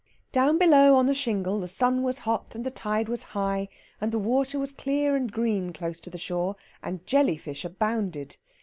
Down below on the shingle the sun was hot, and the tide was high, and the water was clear and green close to the shore, and jelly fish abounded.